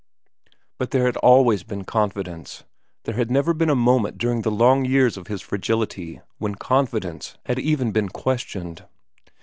But there had always been confidence ; there had never been a moment during the long years of his fragility when confidence had even been questioned.